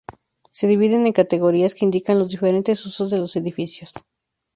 Se dividen en categorías que indican los diferentes usos de los edificios.